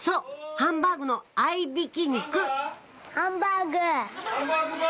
ハンバーグの合いびき肉何だ？